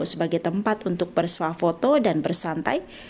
sebagai tempat untuk bersuah foto dan bersantai